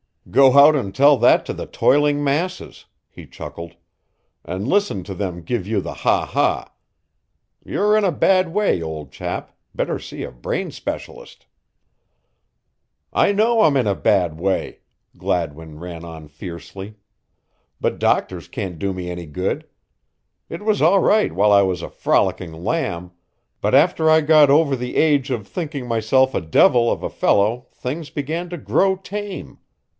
"Go out and tell that to the toiling masses," he chuckled, "and listen to them give you the ha ha. You're in a bad way, old chap better see a brain specialist." "I know I'm in a bad way," Gladwin ran on fiercely, "but doctors can't do me any good. It was all right while I was a frolicking lamb, but after I got over the age of thinking myself a devil of a fellow things began to grow tame.